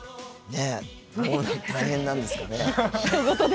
ねえ、大変なんですよね。